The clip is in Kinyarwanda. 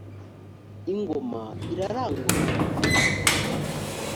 ingoma irarangurura.